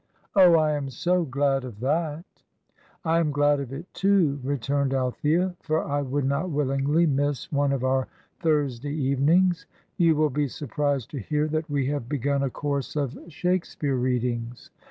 "Oh, I am so glad of that!" "I am glad of it, too," returned Althea; "for I would not willingly miss one of our Thursday evenings. You will be surprised to hear that we have begun a course of Shakespeare readings.